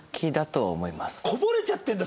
こぼれちゃってるんだ